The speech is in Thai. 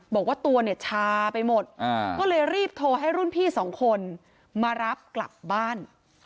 บอกว่าตัวเนี่ยชาไปหมดก็เลยรีบโทรให้รุ่นพี่สองคนมารับกลับบ้าน